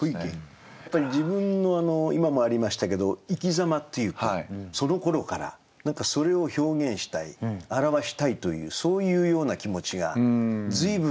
やっぱり自分の今もありましたけど生きざまっていうかそのころから何かそれを表現したい表したいというそういうような気持ちが随分旺盛にあった。